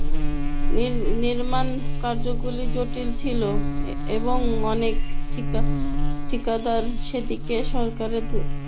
নির্মাণ কাজগুলি জটিল ছিল এবং অনেক ঠিকাদার সেগুলি সরবরাহের সাথে জড়িত ছিল।